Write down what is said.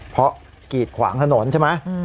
เพราะกีดขวางถนนใช่ไหม